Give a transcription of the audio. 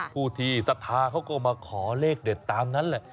ผู้ที่ศรัทธาเขาก็มาขอเลขเด็ดตามนั้นแหละ